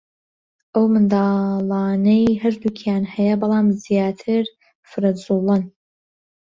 ئەو منداڵانەی هەردووکیان هەیە بەلام زیاتر فرەجووڵەن